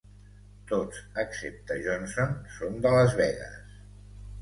Tots excepte Johnson són de Las Vegas.